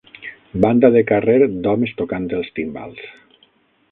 Banda de carrer d'homes tocant els timbals.